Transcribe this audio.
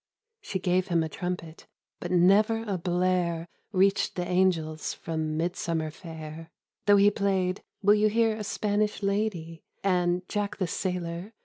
" She gave him a trumpet, but never a blare Reached the angels from Midsummer Fair, Though he played, " Will you hear a Spanish lady," And " Jack the Sailor."